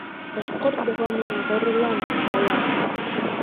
Башҡорт булғаныңа ғорурлан, балам!